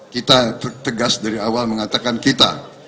kita tegas dari awal mengatakan kita